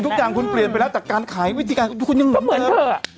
ทุกอย่างคุณเปลี่ยนไปแล้วจากการขายวิธีการคุณยังเหมือนเดิม